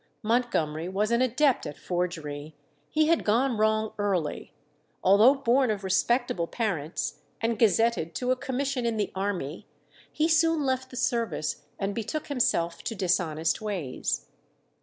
Montgomery was an adept at forgery. He had gone wrong early. Although born of respectable parents, and gazetted to a commission in the army, he soon left the service and betook himself to dishonest ways.